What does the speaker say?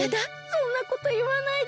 そんなこといわないで。